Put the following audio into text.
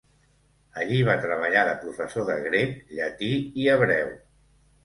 Allí va treballar de professor de grec, llatí i hebreu.